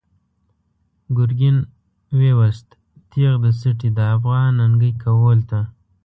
“گرگین” ویوست تیغ د سټی، د افغان ننگی کهول ته